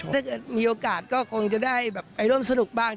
ถ้าเกิดมีโอกาสก็คงจะได้แบบไปร่วมสนุกบ้าง